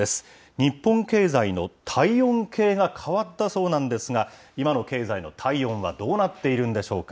日本経済の体温計が変わったそうなんですが、今の経済の体温はどうなっているんでしょうか。